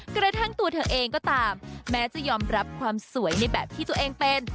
กระทั่งตัวเธอเองก็ตามแม้จะยอมรับความสวยในแบบที่ตัวเองเป็น